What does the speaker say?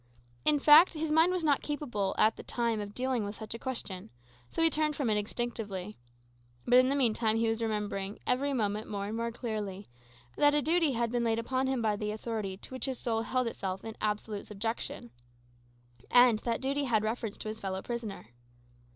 In fact, his mind was not capable, at the time, of dealing with such a question; so he turned from it instinctively. But in the meantime he was remembering, every moment more and more clearly, that a duty had been laid upon him by the authority to which his soul held itself in absolute subjection. And that duty had reference to his fellow prisoner.